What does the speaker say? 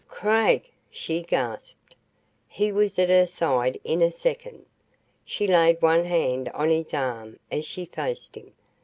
"Craig!" she gasped. He was at her side in a second. She laid one hand on his arm, as she faced him.